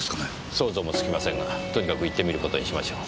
想像もつきませんがとにかく行ってみる事にしましょう。